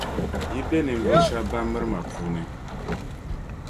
Yi be ninvuɣu shεba ban miri ma puuni.